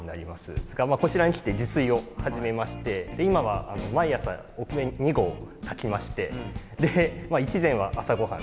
こちらに来て自炊を始めまして今は毎朝お米を２合炊きましてでまあ１膳は朝ご飯